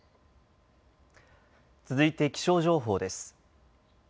続いて気象情報です。